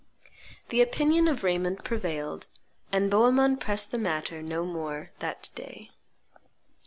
The opinion of Raymond prevailed, and Bohemond pressed the matter no more that day.